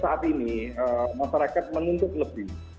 saat ini masyarakat menuntut lebih